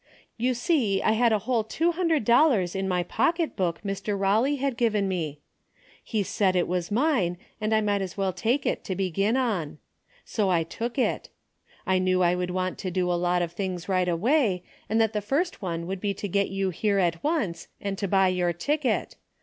You see I had a whole two hundred dollars in my pocketbook, Mr. Eawley had given me. He said it was mine, and I might as well take it to begin on. So I took it. I knew I would want to do a lot of things right away, and that the first one would be to get you here at once, and to buy your ticket.